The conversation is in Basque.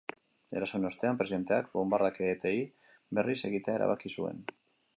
Erasoaren ostean, presidenteak bonbardaketei berriz ekitea erabaki zuen.